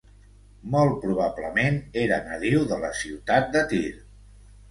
Molt probablement era nadiu de la ciutat de Tir.